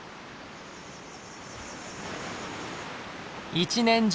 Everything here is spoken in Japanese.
一年中